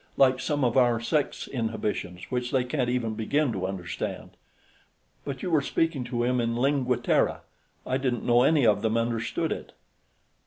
"Like some of our sex inhibitions, which they can't even begin to understand.... But you were speaking to him in Lingua Terra; I didn't know any of them understood it."